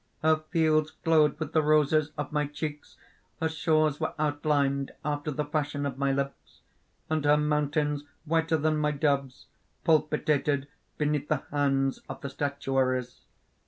"Her fields glowed with the roses of my cheeks; her shores were outlined after the fashion of my lips; and her mountains, whiter than my doves, palpitated beneath the hands of the statuaries.